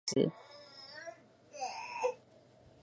物业管理公司为伟邦物业管理有限公司。